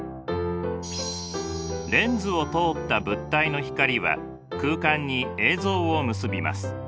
レンズを通った物体の光は空間に映像を結びます。